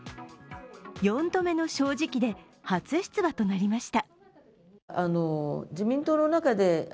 ４度目の正直で初出馬となりました。